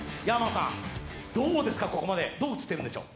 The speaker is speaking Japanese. ＹＡ−ＭＡＮさん、どうですか、ここまでどう映ってるんでしょう。